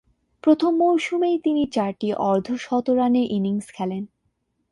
প্রথম মৌসুমেই তিনি চারটি অর্ধ-শতরানের ইনিংস খেলেন।